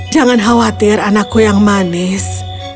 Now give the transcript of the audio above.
jangan khawatir anakku yang manis